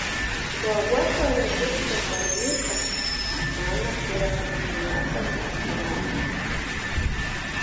Wawata unkushka warmika mana churanakunata takshanachu.